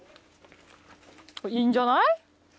いいんじゃない？